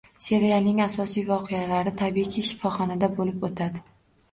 Serialning asosiy voqealari tabiiyki shifoxonada bulib o‘tadi.